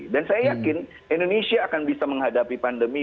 dan saya yakin indonesia akan bisa menghadapi pandemi